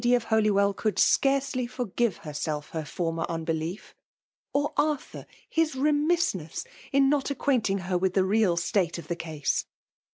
of Holywell could scarcely forgive herself fa^r former unbelief, or Arthur his remissne^^*: im not acquainting.her with the real state of ti^e ea^e.